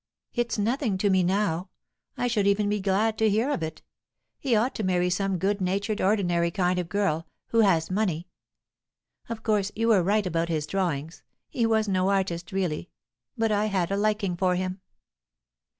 It's nothing to me now. I should even be glad to hear of it. He ought to marry some good natured, ordinary kind of girl, who has money. Of course you were right about his drawings; he was no artist, really. But I had a liking for him."